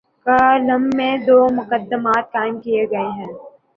Column میں دومقدمات قائم کیے گئے ہیں۔